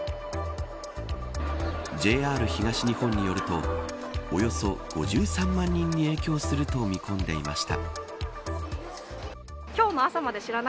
ＪＲ東日本によるとおよそ５３万人に影響すると見込んでいました。